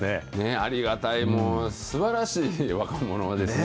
ありがたい、もうすばらしい若者ですね。